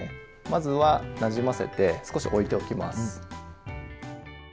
まずはなじませて少しおいておきます。